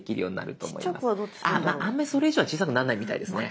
あんまりそれ以上は小さくなんないみたいですね。